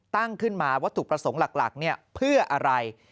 ตั้งขึ้นมาวัตถุประสงค์หลักเพื่ออะไร